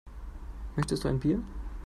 Möchtest du ein Bier?